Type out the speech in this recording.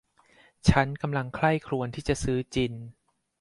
ฉันกำลังใคร่ครวญที่จะซื้อจิน